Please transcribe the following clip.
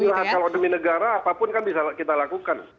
kita harus istirahat kalau demi negara apapun kan bisa kita lakukan